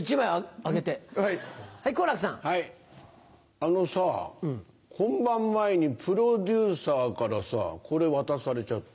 あのさ本番前にプロデューサーからさこれ渡されちゃった。